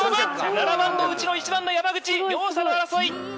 ７番の内野１番の山口両者の争い！